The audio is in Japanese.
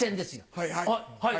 はいはい。